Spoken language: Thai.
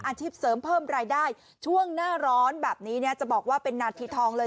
อาชีพเสริมเพิ่มรายได้ช่วงหน้าร้อนแบบนี้เนี่ยจะบอกว่าเป็นนาทีทองเลย